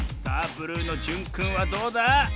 ブルーのじゅんくんはどうだ？